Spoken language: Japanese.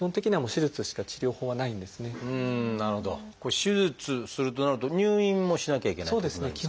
手術をするとなると入院もしなきゃいけないってことになるんですか？